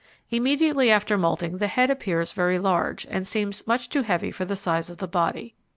Immediately after moulting the head appears very large, and seems much too heavy for the size of the body.